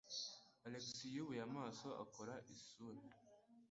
Alex yubuye amaso akora isura.